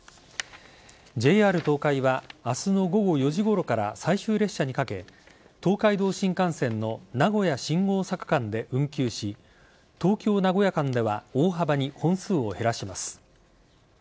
ＪＲ東海は明日の午後４時ごろから最終列車にかけ東海道新幹線の名古屋新大阪間で運休し東京名古屋間では大幅に本数を減らします。